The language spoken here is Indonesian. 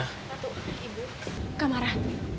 tatu ibu kamara